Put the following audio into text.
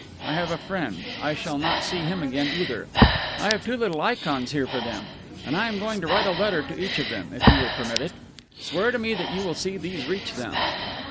I have a friend; I shall not see him again either. I have two little ikons here for them, and I am going to write a letter to each of them, if you will permit it. Swear to me that you will see these reach them."